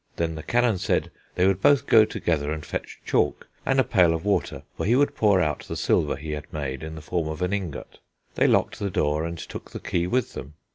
Then the canon said they would both go together and fetch chalk, and a pail of water, for he would pour out the silver he had made in the form of an ingot. They locked the door, and took the key with them.